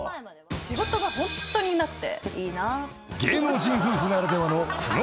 仕事がホントになくて。